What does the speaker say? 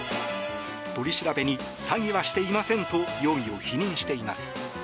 取り調べに詐欺はしていませんと容疑を否認しています。